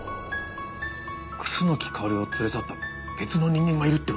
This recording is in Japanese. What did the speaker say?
楠木香織を連れ去った別の人間がいるっていうのか。